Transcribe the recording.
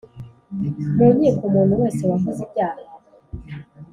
Mu nkiko umuntu wese wakoze ibyaha